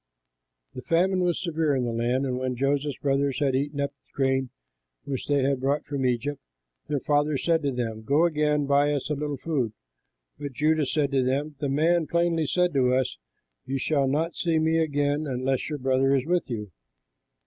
The famine was severe in the land; and when Joseph's brothers had eaten up the grain which they had brought from Egypt, their father said to them, "Go again, buy us a little food." But Judah said to him, "The man plainly said to us: 'You shall not see me again unless your brother is with you.'